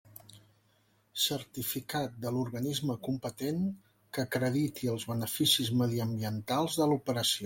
Certificat de l'organisme competent que acrediti els beneficis mediambientals de l'operació.